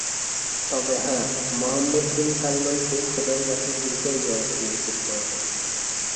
তবে হ্যাঁ, Mohammed bin সালমানকে খোদার কাছে ঠিকই জবাবদিহি করতে হবে।